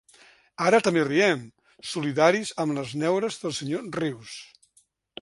Ara també riem, solidaris amb les neures del senyor Rius.